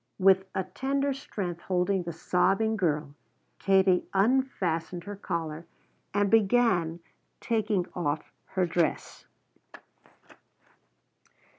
And with a tender strength holding the sobbing girl Katie unfastened her collar and began taking off her dress.